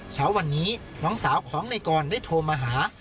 เช้าวันนี้น้องสาวของในกรได้โทรมาหา